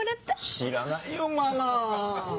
知らないよママ。ね。